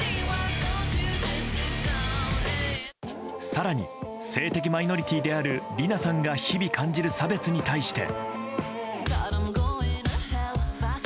更に性的マイノリティーであるリナさんが日々感じる差別に対して。